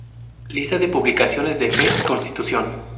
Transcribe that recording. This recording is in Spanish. Lista de publicaciones de Fe y Constitución